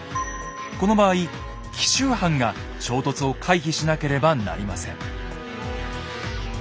この場合紀州藩が衝突を回避しなければなりません。